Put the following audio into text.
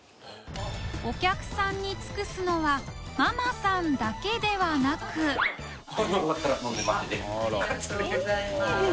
お客さんに尽くすのはママさんだけではなくありがとうございます。